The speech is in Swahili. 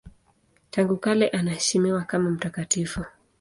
Tangu kale anaheshimiwa kama watakatifu.